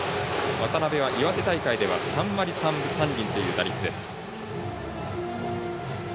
渡邊は岩手大会では３割３分３厘という打率。